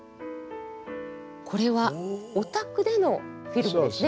これはお宅でのフィルムですね。